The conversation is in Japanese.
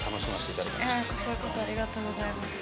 いえこちらこそありがとうございます。